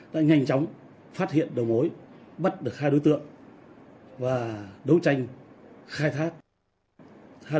đã nhanh chóng phát hiện đầu mối bắt được hai đối tượng và đấu tranh khai thác